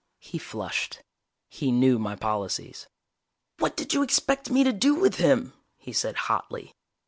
He flushed. He knew my policies. "What did you expect me to do with him?" he said hotly.